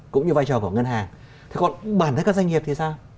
cũng như vai trò của ngân hàng thế còn bản thân các doanh nghiệp thì sao